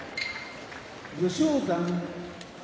武将山